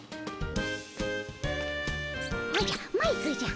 おじゃマイクじゃ。